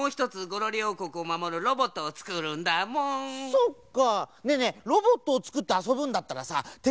そっか。